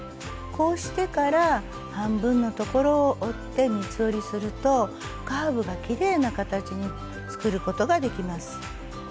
こうしてから半分の所を折って三つ折りするとカーブがきれいな形に作ることができます。